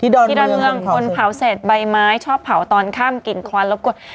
ที่ดอนเมืองคนเผาเศษใบไม้ชอบเผาตอนขั้มกิ่งควันถนวด